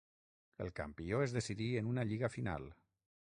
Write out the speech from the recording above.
El campió es decidí en una lliga final.